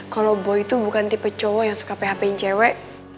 kalau boy itu bukan tipe cowok yang suka php yang cewek